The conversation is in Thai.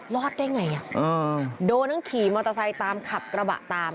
รอดได้ไงโดนทั้งขี่มอเตอร์ไซค์ตามขับกระบะตาม